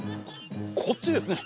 こっちですね。